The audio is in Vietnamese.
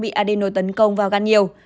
bị adeno tấn công vào gan nhiều